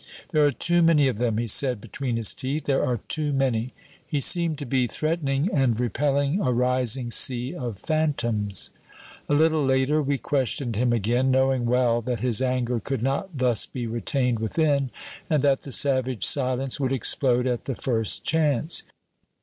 "There are too many of them," he said between his teeth, "there are too many!" He seemed to be threatening and repelling a rising sea of phantoms. A little later, we questioned him again, knowing well that his anger could not thus be retained within, and that the savage silence would explode at the first chance.